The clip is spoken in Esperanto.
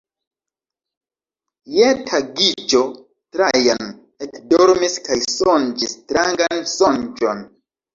Je tagiĝo Trajan ekdormis kaj sonĝis strangan sonĝon.